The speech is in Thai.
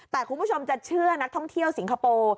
แต่คุณผู้ชมจะเชื่อนักท่องเที่ยวสิงคโปร์